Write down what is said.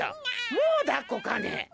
もう抱っこかね？